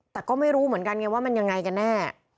แต่ก็ไม่รู้เหมือนกันไงว่ามันยังไงกันแน่